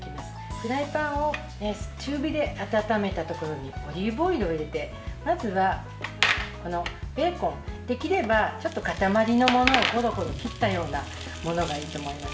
フライパンを中火で温めたところにオリーブオイルを入れてまずはベーコンできれば塊のものをゴロゴロ切ったようなものがいいと思います。